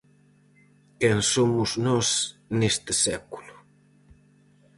Quen somos nós neste século?